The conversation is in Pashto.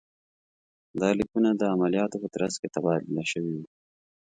دا لیکونه د عملیاتو په ترڅ کې تبادله شوي وو.